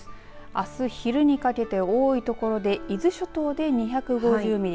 あす昼にかけて多いところで伊豆諸島で２５０ミリ